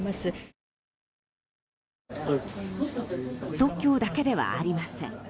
東京だけではありません。